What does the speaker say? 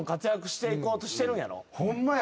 ホンマや！